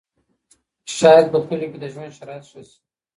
شاید په کليو کې د ژوند شرایط ښه سي.